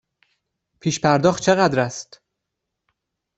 پیش پرداخت چقدر است؟